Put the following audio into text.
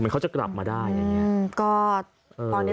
เขาจะกลับมาได้